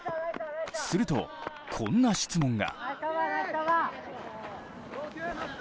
すると、こんな質問が。